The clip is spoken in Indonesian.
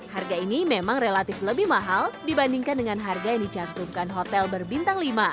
harga ini memang relatif lebih mahal dibandingkan dengan harga yang dicantumkan hotel berbintang lima